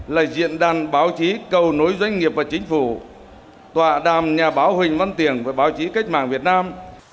là diễn đàn báo chí cầu nối doanh nghiệp và chính phủ tọa đàm nhà báo huỳnh văn tiểng với báo chí cách mạng việt nam